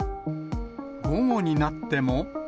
午後になっても。